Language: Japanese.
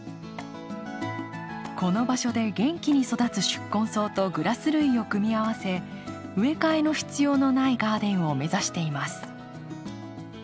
この場所で元気に育つ宿根草とグラス類を組み合わせ植え替えの必要のないガーデンを目指しています。